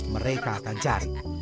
mereka akan cari